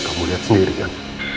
kamu lihat sendiri kan